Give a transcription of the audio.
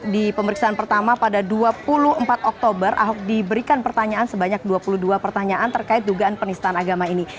di pemeriksaan pertama pada dua puluh empat oktober ahok diberikan pertanyaan sebanyak dua puluh dua pertanyaan terkait dugaan penistaan agama ini